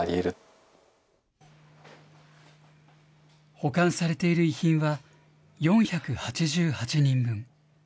保管されている遺品は、４８８人分。